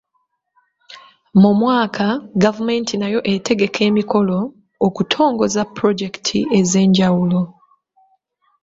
Mu mwaka, gavumenti nayo etegeka emikolo okutongoza pulojekiti ez'enjawulo.